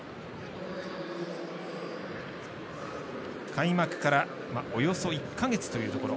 開幕からおよそ１か月というところ。